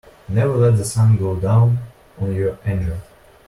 Never let the sun go down on your anger.